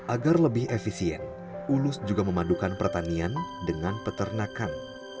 agar lebih efisien ulus juga memadukan pertanian dengan peternakan